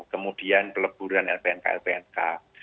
kemudian peleburan lpnk lpnk